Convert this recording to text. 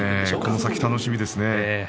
この先、楽しみですね。